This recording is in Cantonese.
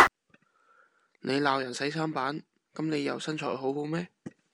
你鬧人洗衫板，咁你又身材好好咩？